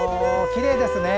きれいですね。